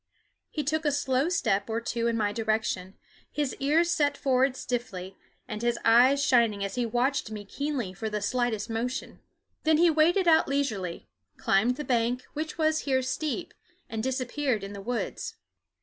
He took a slow step or two in my direction, his ears set forward stiffly and his eyes shining as he watched me keenly for the slightest motion. Then he waded out leisurely, climbed the bank, which was here steep, and disappeared in the woods.